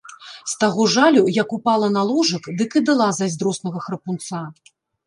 З таго жалю, як упала на ложак, дык і дала зайздроснага храпунца.